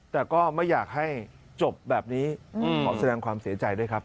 แต่ก็ไม่อยากให้จบแบบนี้ขอแสดงความเสียใจด้วยครับ